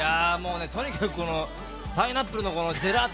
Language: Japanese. とにかくパイナップルのジェラート